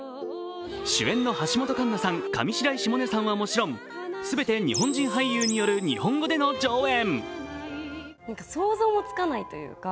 主演の橋本環奈さん、上白石萌音さんはもちろん全て日本人俳優による日本語での上演。